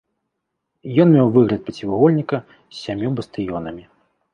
Ён меў выгляд пяцівугольніка з сямю бастыёнамі.